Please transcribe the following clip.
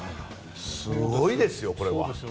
すごいですよ、これは。